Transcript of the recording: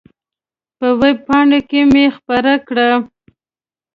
په وېب پاڼو کې مې خپره کړه.